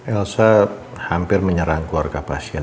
elsa hampir menyerang keluarga pasien